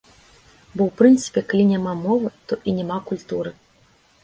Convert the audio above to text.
Бо ў прынцыпе калі няма мовы, то і няма культуры.